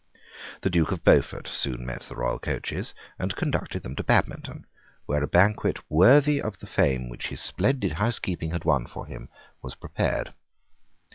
The Duke of Beaufort soon met the royal coaches, and conducted them to Badminton, where a banquet worthy of the fame which his splendid housekeeping had won for him was prepared.